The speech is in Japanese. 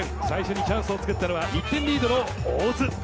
最初にチャンスをつくったのは１点リードの大津。